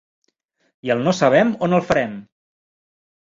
I el no sabem on el farem?